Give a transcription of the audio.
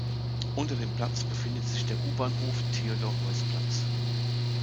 Unter dem Platz befindet sich der U-Bahnhof Theodor-Heuss-Platz.